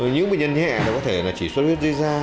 những bệnh nhân nhẹ có thể chỉ xuất huyết dây da